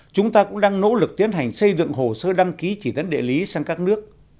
chúng ta cũng đang nỗ lực tiến hành xây dựng hồ sơ đăng ký chỉ dẫn địa lý sang các nước